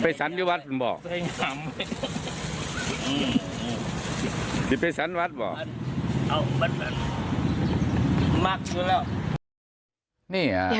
อเจมส์มันรับผู้ปองประสงค์แล้ว